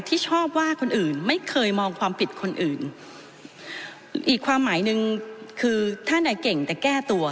ที่ชอบว่าคนอื่นไม่เคยมองความผิดคนอื่นอีกความหมายหนึ่งคือท่านอ่ะเก่งแต่แก้ตัว